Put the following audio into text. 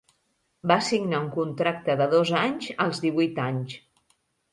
Va signar un contracte de dos anys als divuit anys.